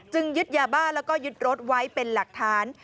จึงยึดยาบ้าและยึดรถไว้เป็นหลักฐาน